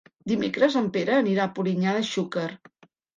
Dimecres en Pere anirà a Polinyà de Xúquer.